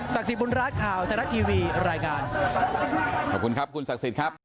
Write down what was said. ศักดิ์สิทธิ์บุญร้านข่าวทะละทีวีรายงานขอบคุณครับคุณศักดิ์สิทธิ์ครับ